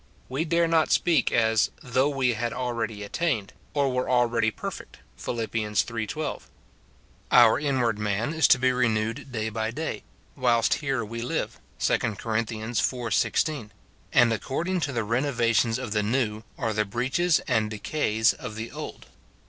We dare not speak as " though we had already attained, or were already perfect, Phil. iii. 12. Our inward man is to be renewed day by day" whilst here we live, 2 Cor. iv. 16 ; and according to the renovations of the new, are the breaches and decays of the old.